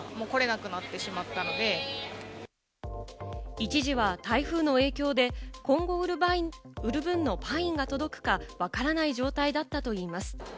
一時は台風の影響で今後、売る分のパインが届くかわからない状態だったといいます。